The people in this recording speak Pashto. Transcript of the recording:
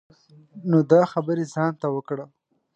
نو دا خبری ځان ته وکړه.